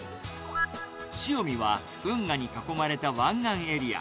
潮見は、運河に囲まれた湾岸エリア。